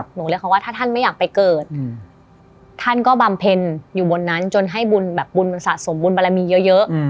หนูเรียกเขาว่าถ้าท่านไม่อยากไปเกิดท่านก็บำเพ็ญอยู่บนนั้นจนให้บุญแบบบุญมันสะสมบุญบารมีเยอะ